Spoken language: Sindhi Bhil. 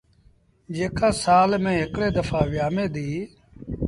جيڪآ سآل ميݩ هڪڙي دڦآ ويٚآمي ديٚ۔